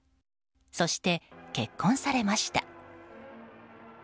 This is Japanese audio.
そして結婚されました。